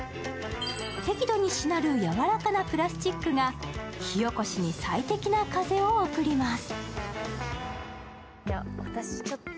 適度にしなる、やわらかなプラスチックが火起こしに最適な風を送ります。